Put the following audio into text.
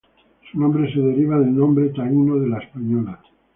Su nombre se deriva del nombre taíno de La Española.